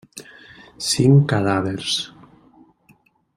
Cinc cadàvers.